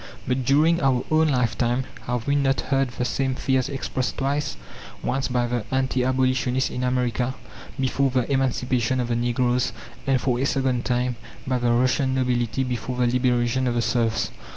But during our own lifetime, have we not heard the same fears expressed twice? Once, by the anti abolitionists in America before the emancipation of the Negroes, and, for a second time, by the Russian nobility before the liberation of the serfs?